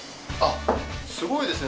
すごいですね。